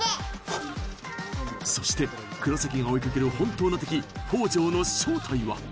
そして黒崎が追いかける本当の敵宝条の正体は？